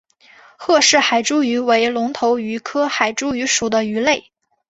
赫氏海猪鱼为隆头鱼科海猪鱼属的鱼类。